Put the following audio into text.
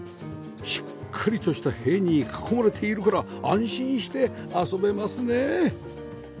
しっかりとした塀に囲まれているから安心して遊べますね